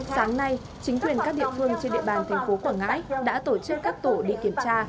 sáng nay chính quyền các địa phương trên địa bàn thành phố quảng ngãi đã tổ chức các tổ đi kiểm tra